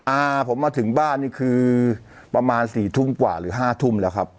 อ่าผมมาถึงบ้านนี่คือประมาณสี่ทุ่มกว่าหรือห้าทุ่มแล้วครับ